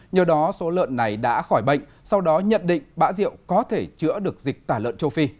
nhờ đó số lợn này đã khỏi bệnh sau đó nhận định bã rượu có thể chữa được dịch tả lợn châu phi